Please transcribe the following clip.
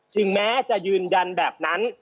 ถึงแม้จะยืนยันแบบนั้น